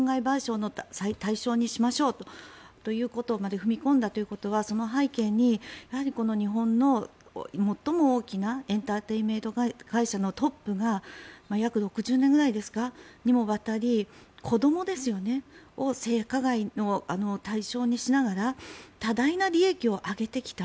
それでも損害賠償の対象にしましょうということまで踏み込んだということはその背景に日本の最も大きなエンターテインメント会社のトップが約６０年ぐらいにもわたり子どもを性加害の対象にしながら多大な利益を上げてきた。